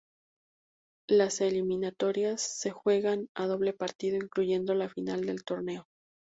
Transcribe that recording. Las eliminatorias se juegan a doble partido incluyendo la final del torneo.